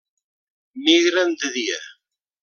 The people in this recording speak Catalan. Migren de dia.